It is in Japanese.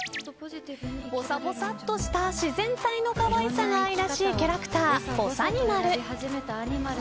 ぼさぼさっとした自然体のかわいらしさが愛らしいキャラクターはぼさにまる。